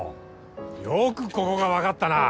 よくここが分かったな。